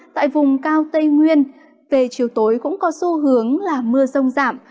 tại vùng cao tây nguyên về chiều tối cũng có xu hướng là mưa rông giảm